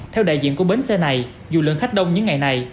theo đại diện của bến xe này dù lượng khách đông những ngày này